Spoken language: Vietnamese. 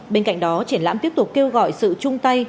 bên cạnh đó triển lãm tiếp tục kêu gọi sự chung tay